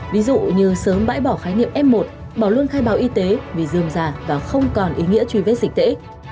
ví dụ như sớm bãi bỏ khái niệm m một bỏ luôn khai bào y tế vì dương già và không còn ý nghĩa truy vết dịch tễ